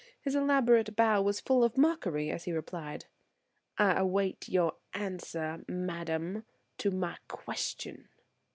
His elaborate bow was full of mockery as he replied: "I await your answer, madam, to my question."